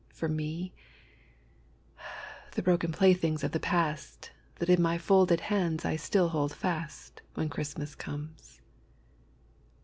For me, the broken playthings of the past That in my folded hands I still hold fast, When Christmas comes.